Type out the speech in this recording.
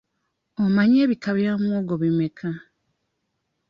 Omanyi ebika bya muwogo bimeka?